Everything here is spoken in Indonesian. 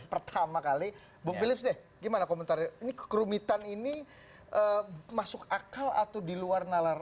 pertama kali bung philips deh gimana komentarnya ini kerumitan ini masuk akal atau diluar nalar